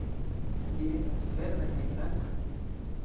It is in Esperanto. Ĝi estas verda kaj blanka.